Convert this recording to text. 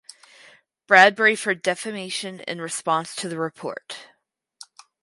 Bradbury for defamation in response to the report.